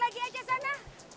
balik lagi aja sana